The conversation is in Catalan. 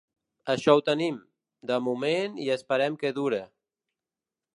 Això ho tenim, de moment i esperem que dure.